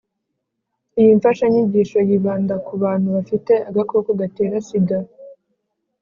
iyi mfashanyigisho yibanda ku bantu bafite agakoko gatera sida